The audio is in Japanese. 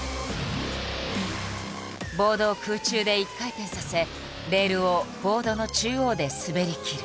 ボードを空中で１回転させレールをボードの中央で滑りきる。